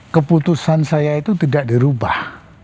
keputusan saya itu tidak dirubah